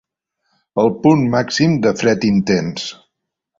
El punt màxim de fred intens.